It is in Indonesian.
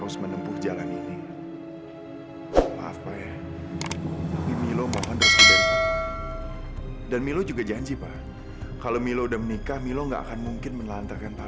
sampai jumpa di video selanjutnya